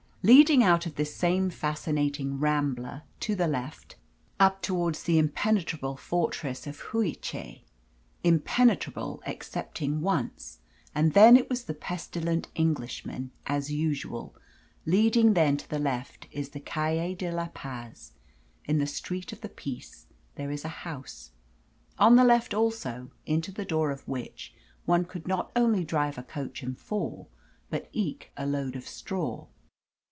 Leading out of this same fascinating Rambla, to the left, up towards the impenetrable fortress of Juich impenetrable excepting once, and then it was the pestilent Englishman, as usual leading then to the left is the Calle de la Paz. In the Street of the Peace there is a house, on the left hand also, into the door of which one could not only drive a coach and four, but eke a load of straw.